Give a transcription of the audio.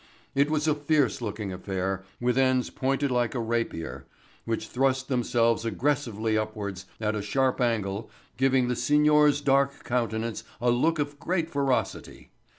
It was a fierce looking affair with ends pointed like a rapier, which thrust themselves aggressively upwards at a sharp angle giving the signor's dark countenance a look of great ferocity.